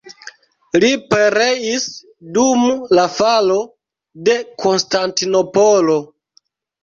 Li pereis dum la falo de Konstantinopolo.